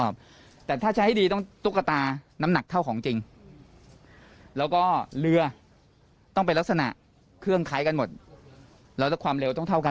เพราะว่าอย่างไรหัวเรือโดนอยู่แล้ว